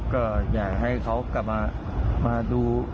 ก็อยากให้เขากลับมาดู